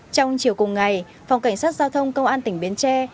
trong chiều cùng ngày phòng cảnh sát giao thông công an tỉnh bến tre